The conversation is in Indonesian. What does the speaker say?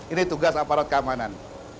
ini tugas aparat keamanan